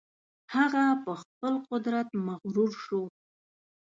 هغه په خپل قدرت مغرور شو.